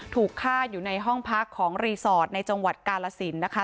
ถูกฆ่าอยู่ในห้องพักของรีสอร์ทในจังหวัดกาลสินนะคะ